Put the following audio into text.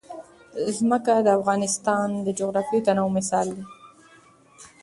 ځمکه د افغانستان د جغرافیوي تنوع مثال دی.